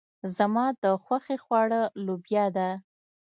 زما د خوښې خواړه لوبيا ده.